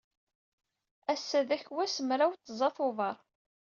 Ass-a d akwas, mraw tẓa Tubeṛ.